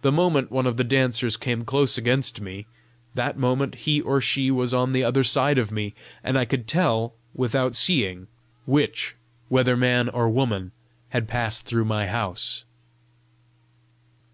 The moment one of the dancers came close against me, that moment he or she was on the other side of me, and I could tell, without seeing, which, whether man or woman, had passed through my house.